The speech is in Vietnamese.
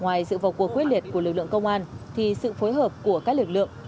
ngoài sự vào cuộc quyết liệt của lực lượng công an thì sự phối hợp của các lực lượng